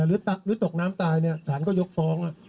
หรือตกน้ำตายเนี่ยสารก็ยกฟ้อง